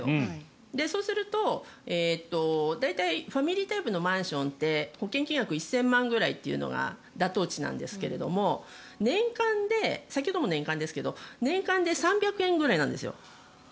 そうすると大体ファミリータイプのマンションって保険金額が１０００万円くらいというのが妥当値なんですけど年間で先ほども年間ですが年間で３００円ぐらいなんです。